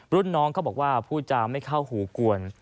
รุ่นน้องเขาบอกว่าพูดจาไม่เข้าหูกวน